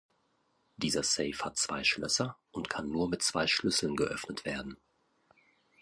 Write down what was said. Dieser Safe hat zwei Schlösser und kann nur mit zwei Schlüsseln geöffnet werden.